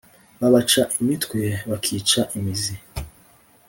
Babaca imitwe bakica imizi